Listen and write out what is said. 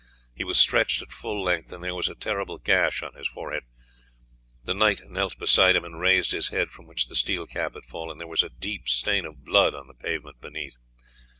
He was stretched at full length, and there was a terrible gash on his forehead. The knight knelt beside him and raised his head, from which the steel cap had fallen; there was a deep stain of blood on the pavement beneath.